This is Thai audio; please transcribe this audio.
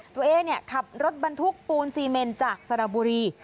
ตัวเองขับรถบรรทุกปูนซีเมนจากสระบุรี